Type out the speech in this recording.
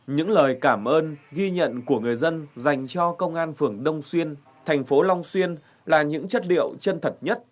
những lời cảm ơn ghi nhận của người dân dành cho công an phường đông xuyên thành phố long xuyên là những chất liệu chân thật nhất